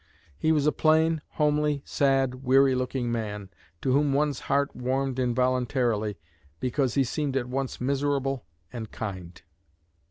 He was a plain, homely, sad, weary looking man, to whom one's heart warmed involuntarily because he seemed at once miserable and kind."